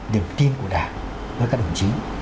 niềm tin của đảng với các đồng chí